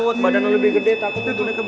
badannya lebih gede takut